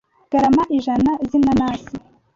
Garama ijana z’inanasi